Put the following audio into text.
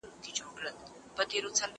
زه له سهاره لاس پرېولم!.